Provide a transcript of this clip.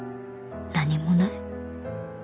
何もない」